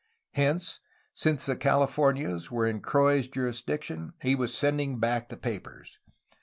Hence, since the Calif ornias were in Croix^s jurisdiction, he was sending back the papers.